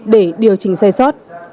để điều chỉnh dây sót